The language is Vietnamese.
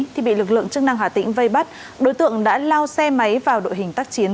thì bị lực lượng chức năng hà tĩnh vây bắt đối tượng đã lao xe máy vào đội hình tác chiến